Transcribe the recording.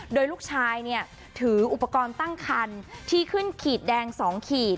โดยลูกชายถืออุปกรณ์ตั้งคันที่ขึ้นขีดแดง๒ขีด